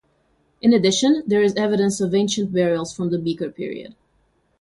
In addition there is evidence of ancient burials from the Beaker Period.